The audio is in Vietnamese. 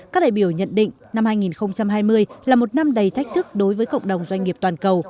các đại biểu nhận định năm hai nghìn hai mươi là một năm đầy thách thức đối với cộng đồng doanh nghiệp toàn cầu